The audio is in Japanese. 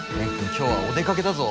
今日はお出かけだぞ。